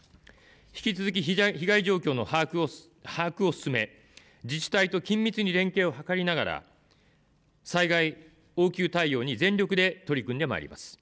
引き続き被害状況の把握を進め、自治体と緊密に連携を図りながら災害応急対応に全力で取り組んでまいります。